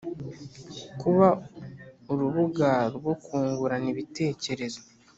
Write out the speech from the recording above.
Kuba urubuga rwo kungurana ibitekerezo